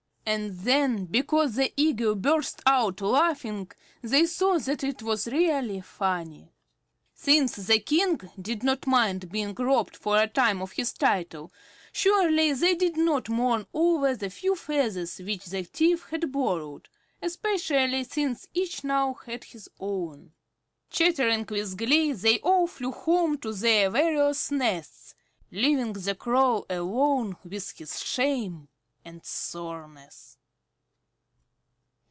And then, because the Eagle burst out laughing, they saw that it was really funny. Since the King did not mind being robbed for a time of his title, surely they need not mourn over the few feathers which the thief had borrowed, especially since each now had his own. Chattering with glee they all flew home to their various nests, leaving the Crow alone with his shame and soreness.